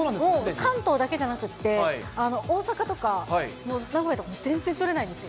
関東だけじゃなくて、大阪とか、もう名古屋とかも全然取れないんですよ。